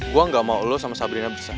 gue gak mau lo sama sabrina besar